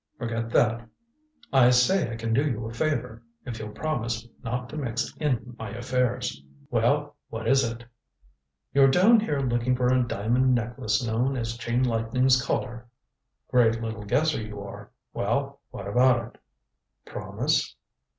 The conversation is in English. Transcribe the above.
"Forget that. I say I can do you a favor if you'll promise not to mix in my affairs." "Well what is it?" "You're down here looking for a diamond necklace known as Chain Lightning's Collar." "Great little guesser, you are. Well what about it?" "Promise?"